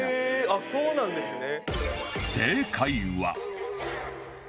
あっそうなんですね。